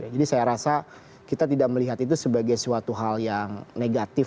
jadi saya rasa kita tidak melihat itu sebagai suatu hal yang negatif